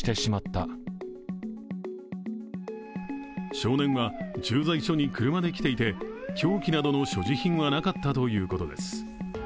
少年は駐在所に車で来ていて凶器などの所持品はなかったということです。